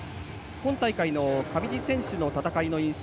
今大会の上地選手の戦いの印象